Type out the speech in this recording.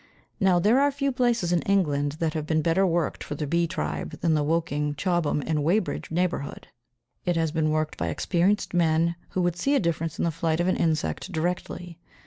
Now there are few places in England that have been better worked for the bee tribe than the Woking, Chobham, and Weybridge neighbourhood; it has been worked by experienced men who would see a difference in the flight of an insect directly.